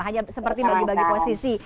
hanya seperti bagi bagi posisi